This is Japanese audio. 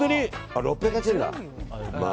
あ、６８０円だ。